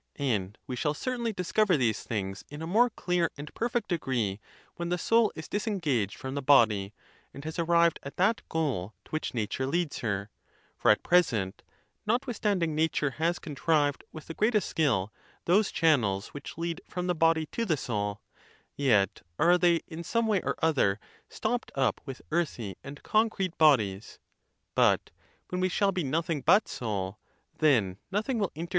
And we shall certainly discover these things in a more clear and perfect degree when the soul is disengaged from the body, and has arrived at that goal to which nat ure leads her; for at present, notwithstanding nature has contrived, with the greatest skill, those channels which lead from the body to the soul, yet are they, in some way or other, stopped up with earthy and concrete bodies; but when we shall be nothing but soul, then nothing will inter 30 THE TUSCULAN DISPUTATIONS.